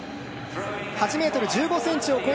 ８ｍ１５ｃｍを超え